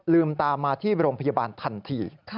ลืมตามมาที่โรงพยาบาลทันที